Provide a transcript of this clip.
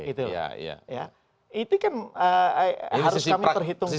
itu kan harus kami terhitungkan